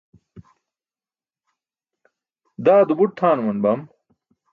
daado buṭ tʰaanuman bam